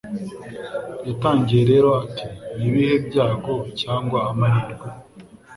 Yatangiye rero ati Ni ibihe byago cyangwa amahirwe